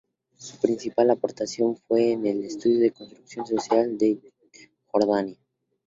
Su principal aportación fue en el estudio de la construcción social de Jordania.